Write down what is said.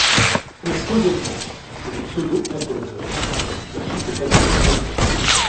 Pour Pausanias et le pseudo-Apollodore, la chute est accidentelle.